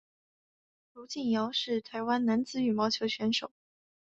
卢敬尧是台湾男子羽毛球选手。